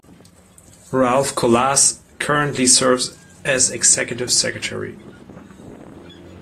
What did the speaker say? Ralph Colas currently serves as Executive Secretary.